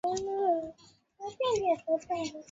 Barack Obama anaye dada yake mmoja